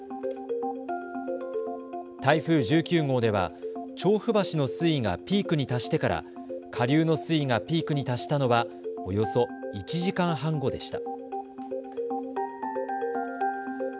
台風１９号では調布橋の水位がピークに達してから下流の水位がピークに達したのはおよそ１時間半後でした。